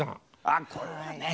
あっこれはね。